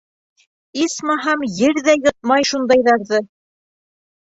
Исмаһам, ер ҙә йотмай шундайҙарҙы.